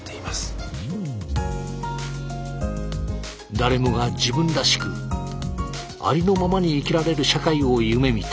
誰もが自分らしくありのままに生きられる社会を夢みて。